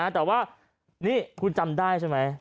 แต่ว่านี่คุณจำได้ใช่ไหม